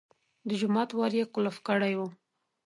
د جومات ور یې قلف کړی و.